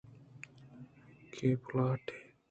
کہ پُلاٹے